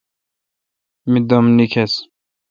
می دم نکیس۔